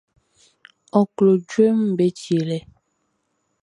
Ɔ klo jueʼm be tielɛ.